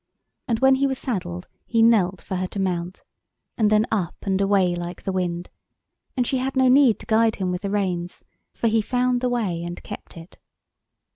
And when he was saddled he knelt for her to mount, and then up and away like the wind, and she had no need to guide him with the reins, for he found the way and kept it.